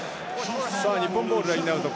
日本ボール、ラインアウト。